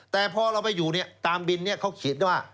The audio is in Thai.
แต่พอเราไปอยู่นี่ตามบินเขาคิดว่า